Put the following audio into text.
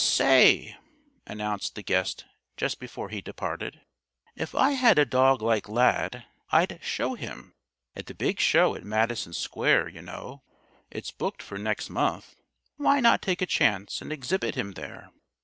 "Say!" announced the guest just before he departed, "If I had a dog like Lad, I'd 'show' him at the big show at Madison Square, you know. It's booked for next month. Why not take a chance and exhibit him there?